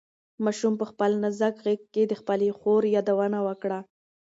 ماشوم په خپل نازک غږ کې د خپلې خور یادونه وکړه.